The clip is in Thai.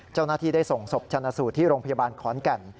เจ้าหน้าที่ได้ส่งศพชนะสูตรที่โรงพยาบาลขอนแก่น